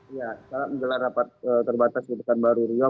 iya setelah menjelang rapat terbatas di pekanbaru riau